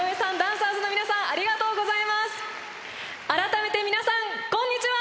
改めて皆さんこんにちは！